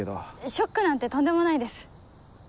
ショックなんてとんでもないです。